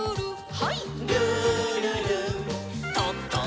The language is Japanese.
はい。